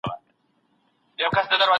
دوامداره څارنه د ماشوم سلامتيا ساتي.